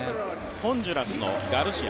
ホンジュラスのガルシア。